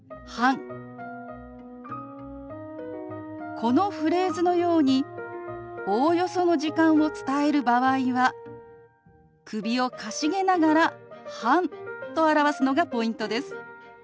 このフレーズのようにおおよその時間を伝える場合は首をかしげながら「半」と表すのがポイントです。